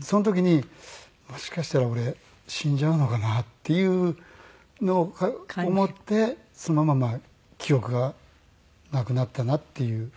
その時にもしかしたら俺死んじゃうのかなっていうのを思ってそのまま記憶がなくなったなっていう。